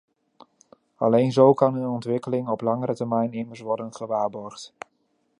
Alleen zo kan hun ontwikkeling op langere termijn immers worden gewaarborgd.